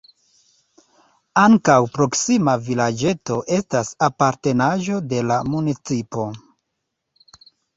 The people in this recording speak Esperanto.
Ankaŭ proksima vilaĝeto estas apartenaĵo de la municipo.